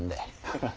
ハハハ。